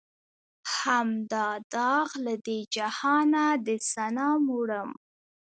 هم دا داغ لۀ دې جهانه د صنم وړم